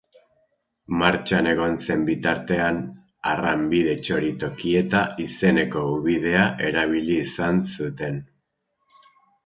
Martxan egon zen bitartean, Arranbide-Txoritokieta izeneko ubidea erabili izan zuten.